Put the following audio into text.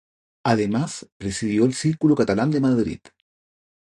Además presidió el Círculo Catalán de Madrid.